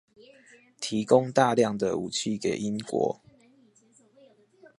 提供大量的武器給英國